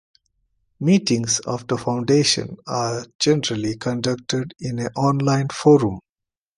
Meetings of the Foundation are generally conducted in an online forum.